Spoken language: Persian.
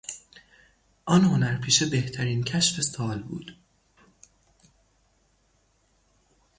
آن هنرپیشه بهترین کشف سال بود.